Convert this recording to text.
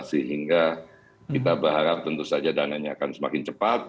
sehingga kita berharap tentu saja dananya akan semakin cepat